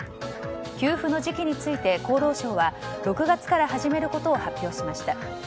給付の時期について厚労省は６月から始めることを発表しました。